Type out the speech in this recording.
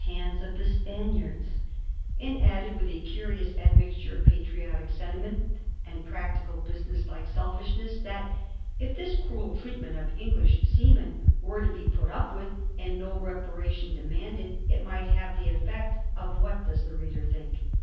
xxxl hands of the Spaniards," and added, with a carious mixt ure of patriotic sentiment and practical, business like self ishness, that "if this cruel treatment of English seamen were to be put up with, and no reparation demanded, it might have the effect" — of what, does the reader think